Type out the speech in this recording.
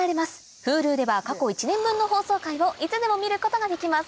Ｈｕｌｕでは過去一年分の放送回をいつでも見ることができます